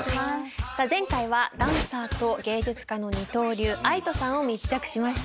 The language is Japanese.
前回はダンサーと芸術家の二刀流ＡＩＴＯさんを密着しました。